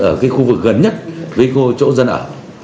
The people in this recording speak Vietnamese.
ở cái khu vực gần nhất với chỗ dân ở